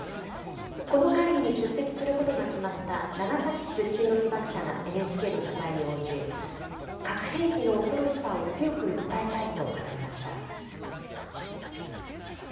この会議に出席することが決まった長崎市出身の被爆者がＮＨＫの取材に応じ、核兵器の恐ろしさを強く訴えたいと語りました。